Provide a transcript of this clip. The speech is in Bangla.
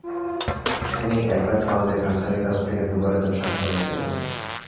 তিনি একবার চাল দিয়ে কার্ডধারীদের কাছ থেকে দুবারের জন্য স্বাক্ষর নিচ্ছিলেন।